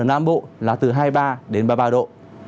ở nam bộ là từ hai mươi ba đến ba mươi ba độ